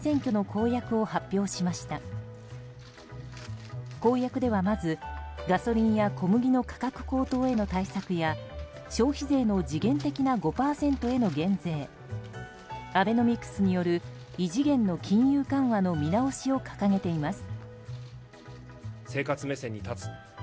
公約では、まずガソリンや小麦の価格高騰への対策や消費税の時限的な５％への減税アベノミクスによる異次元の金融緩和の見直しを掲げています。